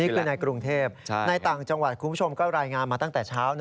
ในกรุงเทพในต่างจังหวัดคุณผู้ชมก็รายงานมาตั้งแต่เช้า